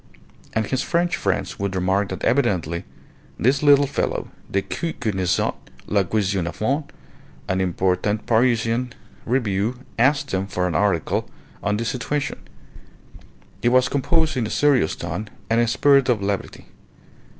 And his French friends would remark that evidently this little fellow Decoud connaissait la question a fond. An important Parisian review asked him for an article on the situation. It was composed in a serious tone and in a spirit of levity.